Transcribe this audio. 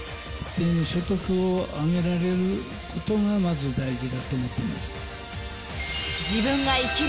所得を上げられることがまず大事だと思ってます。